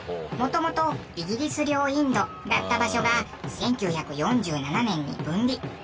もともとイギリス領インドだった場所が１９４７年に分離。